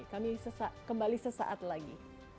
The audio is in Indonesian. kami kembali sesaat lagi